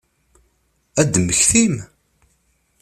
Ad temmektim?